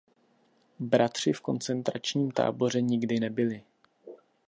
Bratři v koncentračním táboře nikdy nebyli.